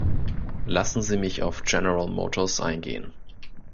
Lassen Sie mich auf General Motors eingehen.